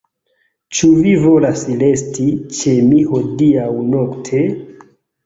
Ĉu vi volas resti ĉe mi hodiaŭ nokte?